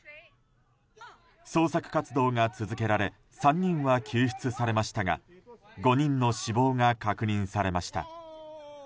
捜索活動が続けられ３人は救出されましたが５人の死亡が確認されました。